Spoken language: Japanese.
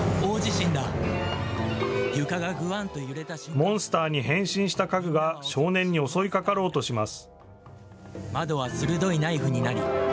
モンスターに変身した家具が少年に襲いかかろうとします。